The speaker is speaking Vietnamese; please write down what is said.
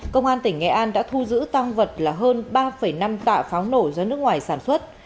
công an tỉnh nghệ an đã thu giữ tăng vật là hơn ba năm tạ pháo nổ do nước ngoài sản xuất